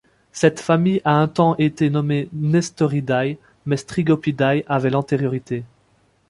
Cette famille a un temps été nommée Nestoridae, mais Strigopidae avait l'antériorité.